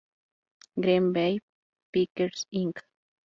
Green Bay Packers, Inc.